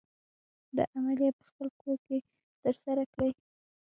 دا عملیه په خپل کور کې تر سره کړئ.